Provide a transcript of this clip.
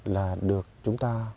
là được chúng ta